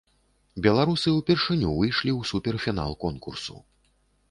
Беларусы ўпершыню выйшлі ў супер-фінал конкурсу.